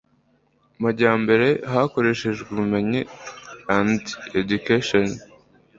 majyambere hakoreshejwe ubumenyi and education